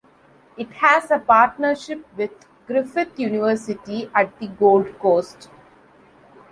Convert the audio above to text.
It has a partnership with Griffith University at the Gold Coast.